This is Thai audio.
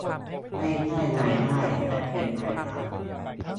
ไม่ใช่รายได้แต่เป็นรายรับ